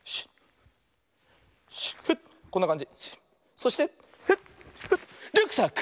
そしてフッフッリュックサック！